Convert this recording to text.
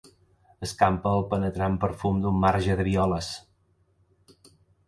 Escampe el penetrant perfum d’un marge de violes!